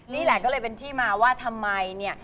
นี่แหละก็เลยเป็นที่มาว่าทำไมเนี่ย